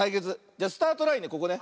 じゃスタートラインねここね。